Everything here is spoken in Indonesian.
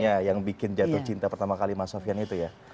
ya yang bikin jatuh cinta pertama kali mas sofian itu ya